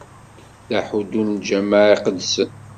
D ahuddu n Lǧameɛ iqedsen.